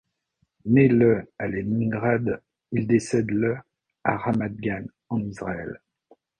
Né le à Léningrad, il décède le à Ramat Gan, en Israël.